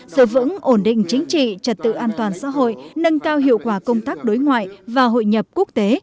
sự vững ổn định chính trị trật tự an toàn xã hội nâng cao hiệu quả công tác đối ngoại và hội nhập quốc tế